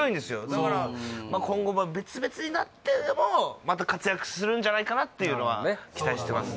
だから今後は別々になってもまた活躍するんじゃないかなっていうのは期待してます